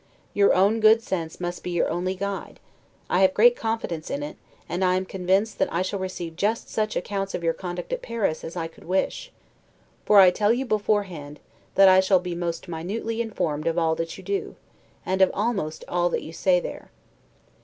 Your own good sense must be your only guide: I have great confidence in it, and am convinced that I shall receive just such accounts of your conduct at Paris as I could wish; for I tell you beforehand, that I shall be most minutely informed of all that you do, and almost of all that you say there.